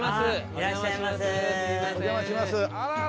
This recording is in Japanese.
いらっしゃいませ。